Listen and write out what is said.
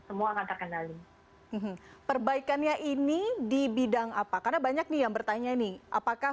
semua akan terkendali perbaikannya ini di bidang apa karena banyak nih yang bertanya nih apakah